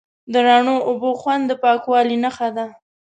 د رڼو اوبو خوند د پاکوالي نښه ده.